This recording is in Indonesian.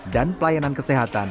dan pelayanan kesehatan